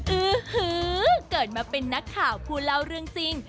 ื้อฮือเกิดมาเป็นนักข่าวผู้เล่าเรื่องจริง